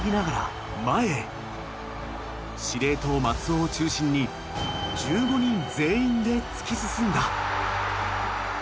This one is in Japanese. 司令塔松尾を中心に１５人全員で突き進んだ。